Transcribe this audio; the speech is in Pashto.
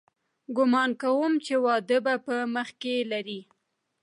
ګومان کوم چې واده په مخ کښې لري.